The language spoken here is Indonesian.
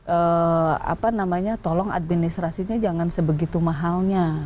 ee apa namanya tolong administrasinya jangan sebegitu mahalnya